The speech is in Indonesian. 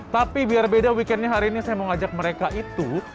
tapi biar beda weekendnya hari ini saya mau ngajak mereka itu